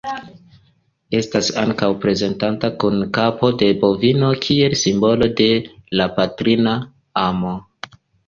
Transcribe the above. Estas ankaŭ prezentata kun kapo de bovino kiel simbolo de la patrina amo.